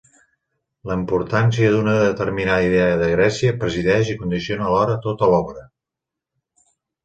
La importància d'una determinada idea de Grècia presideix i condiciona alhora tota l'obra.